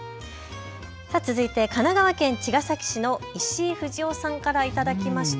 続いて神奈川県茅ヶ崎市のイシイフジオさんから頂きました。